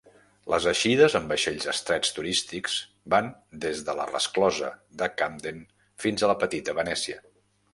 Les eixides en vaixells estrets turístics van des de la resclosa de Camden fins a la petita Venècia.